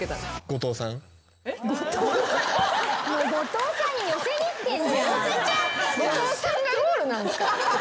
後藤さんがゴールなんですか？